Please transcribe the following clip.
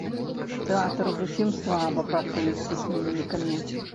Тэатр зусім слаба працуе з пісьменнікамі.